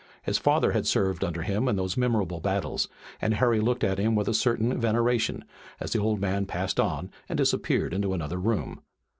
His father had served under him in those memorable battles and Harry looked at him with a certain veneration, as the old man passed on and disappeared in another room.